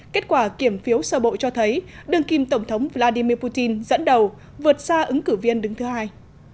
kết quả kiểm phiếu sơ bộ cho thấy đương kim tổng thống vladimir putin dẫn đầu vượt xa ứng cử viên đứng thứ hai